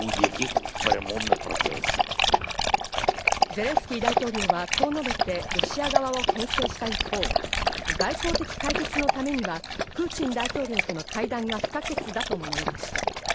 ゼレンスキー大統領はこう述べて、ロシア側を牽制した一方、外交的解決のためには、プーチン大統領との会談が不可欠だと述べました。